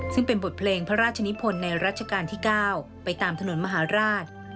ซึ่งเป็นบทเพลงพระราชนิพลในรัชกาลที่๙ไปตามถนนมหาราช